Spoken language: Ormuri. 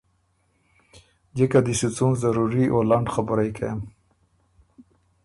جِکه دی سُو څُون ضروري او لنډ خبُرئ کېم